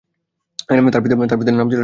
তার পিতার নাম ছিল শাহ বদর উদ্দিন মুন্সী।